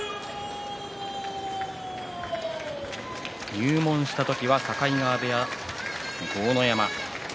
入門した時は境川部屋の豪ノ山。